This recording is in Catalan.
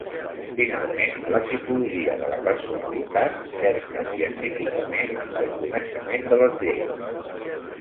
Finalment, la psicologia de la personalitat cerca, científicament, el coneixement de les lleis.